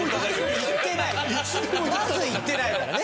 まず言ってないからね。